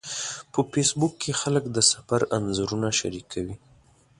په فېسبوک کې خلک د سفر انځورونه شریکوي